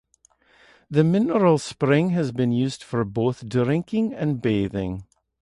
The mineral spring has been used for both drinking and bathing.